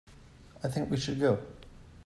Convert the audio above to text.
I think we should go.